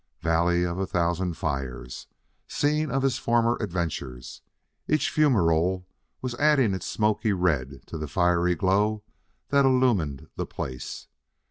Valley of a thousand fires! scene of his former adventures! Each fumerole was adding its smoky red to the fiery glow that illumined the place.